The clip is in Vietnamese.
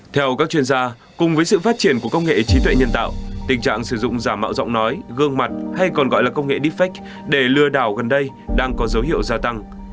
theo các chuyên gia cùng với sự phát triển của công nghệ trí tuệ nhân tạo tình trạng sử dụng giả mạo giọng nói gương mặt hay còn gọi là công nghệ defect để lừa đảo gần đây đang có dấu hiệu gia tăng